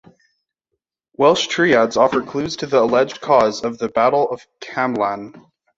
Welsh triads offer clues to the alleged cause of the Battle of Camlann.